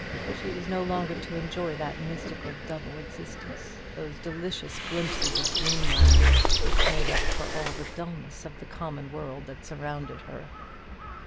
She was no longer to enjoy that mystical double existence, those delicious glimpses of dreamland, which made up for all the dulness of the common world that surrounded her.